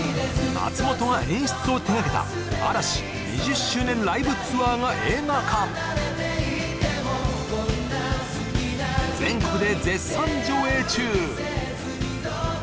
松本が演出を手がけた嵐２０周年ライブツアーが映画化全国で絶賛上映中